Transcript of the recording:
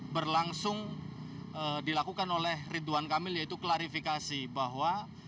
berlangsung dilakukan oleh ridwan kamil yaitu klarifikasi bahwa